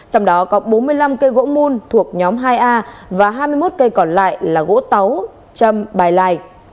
trong đó có bốn mươi năm cây gỗ môn thuộc nhóm hai a và hai mươi một cây còn lại là gỗ táu châm bài lài